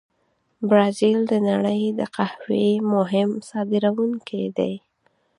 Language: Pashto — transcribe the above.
برازیل د نړۍ د قهوې مهم صادرونکي دي.